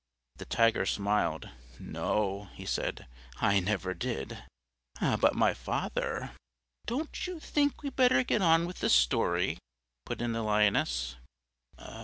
The Tiger smiled. "No," he said, "I never did, but my father ". "Don't you think we'd better get on with the story?" put in the Lioness.